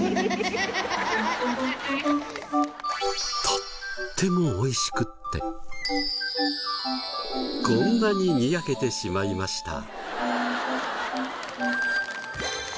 とってもおいしくってこんなにニヤけてしまいました。